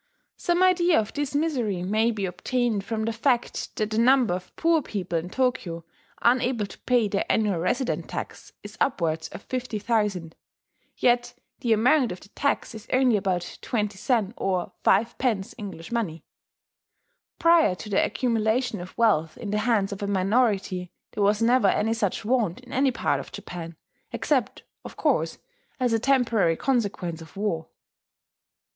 Some idea of this misery may be obtained from the fact that the number of poor people in Tokyo unable to pay their annual resident tax is upwards of 50,000; yet the amount of the tax is only about 20 sen, or 5 pence English money. Prior to the accumulation of wealth in the hands of a minority there was never any such want in any part of Japan, except, of course, as a temporary consequence of war.